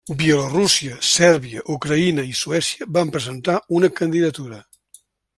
Bielorússia, Sèrbia, Ucraïna i Suècia van presentar una candidatura.